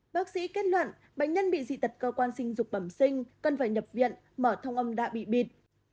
bác sĩ kết luận bệnh nhân bị dị tật cơ quan sinh dục bẩm sinh cần phải nhập viện mở thông âm đạ bịt